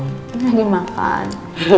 gak ada yang makan